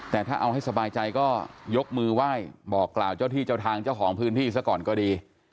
แต่ถ้าเอาให้สบายใจก็ยกมือไหว้บอกกล่าวเจ้าที่เจ้าทางเจ้าของพื้นที่ซะก่อนก็ดี